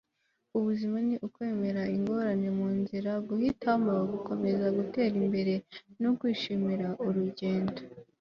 ubuzima ni ukwemera ingorane mu nzira, guhitamo gukomeza gutera imbere, no kwishimira urugendo